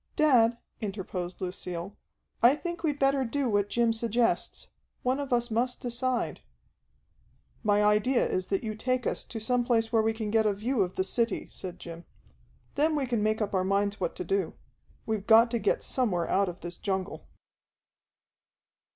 "Dad," interposed Lucille, "I think we'd better do what Jim suggests. One of us must decide." "My idea is that you take us to some place where we can get a view of the city," said Jim. "Then we can make up our minds what to do. We've got to get somewhere out of this jungle."